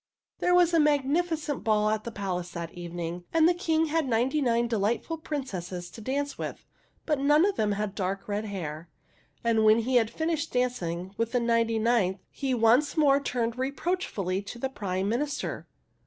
There was a magnificent ball at the palace that evening, and the King had ninety nine delightful princesses to dance with, but none of them had dark red hair, and when he had finished dancing with the ninety ninth he once more turned reproachfully to the Prime Minister.